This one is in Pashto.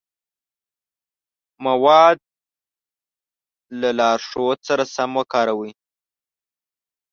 مواد له لارښود سره سم وکاروئ.